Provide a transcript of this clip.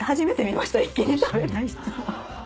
一気に食べた人。